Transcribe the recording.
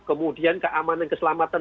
kemudian keamanan keselamatan